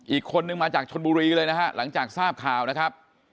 อีกคนนึงมาจากชนบุรีเลยนะฮะหลังจากทราบข่าวนะครับ